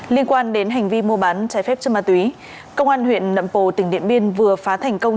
liên quan đến hành vi mua bán trái phép chân ma túy công an huyện nậm pồ tỉnh điện biên vừa phá thành công